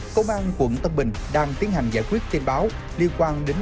công an quận tân bình đang tiến hành giải quyết tin báo liên quan đến